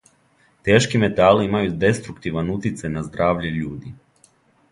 Тешки метали имају деструктиван утицај на здравље људи.